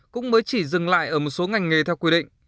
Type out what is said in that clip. cũng mới chỉ dừng lại ở một số ngành nghề theo quy định